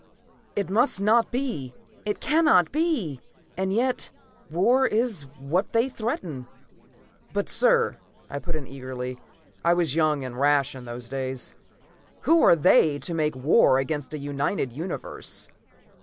It must not be. It cannot be! And yet, war is what they threaten." "But, sir!" I put in eagerly. I was young and rash in those days. "Who are they, to make war against a united Universe?"